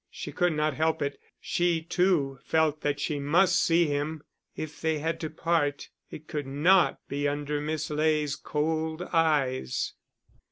She could not help it; she too felt that she must see him. If they had to part, it could not be under Miss Ley's cold eyes.